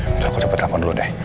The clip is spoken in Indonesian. bentar aku coba telepon dulu deh